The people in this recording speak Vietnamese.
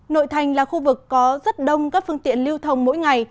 nội thành là khu vực có rất đông các phương tiện lưu thông mỗi ngày